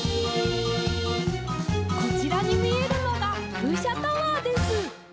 こちらにみえるのがふうしゃタワーです。